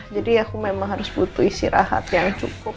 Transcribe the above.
jadi aku memang harus butuh isi rahat yang cukup